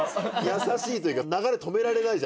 優しいというか流れ止められないじゃない。